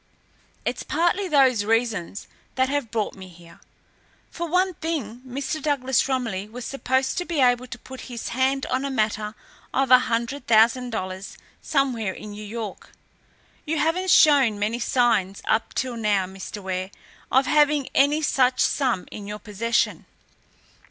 It's partly those reasons that have brought me here. For one thing, Mr. Douglas Romilly was supposed to be able to put his hand on a matter of a hundred thousand dollars somewhere in New York. You haven't shown many signs up till now, Mr. Ware, of having any such sum in your possession."